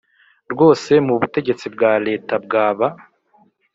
rwose rwo mu butegetsi bwa Leta bwaba